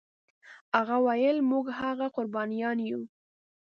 هغه ویل موږ هغه قربانیان یو.